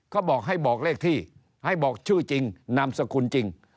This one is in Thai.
ก็บอกให้บอกเลขที่ให้บอกชื่อจริงนามสกุลจริง